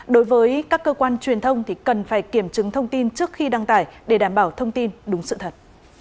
đối với các cơ quan truyền thông thì cần phải kiểm chứng thông tin trước khi đăng tải để đảm bảo thông tin đúng sự thật